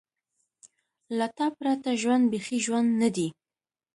له تا پرته ژوند بېخي ژوند نه دی.